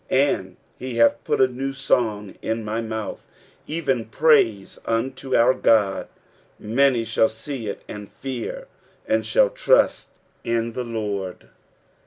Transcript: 3 And he hath put a new song in my mouth, evert praise unto our God : many shall see ii, and fear, and shall trust in the Lord.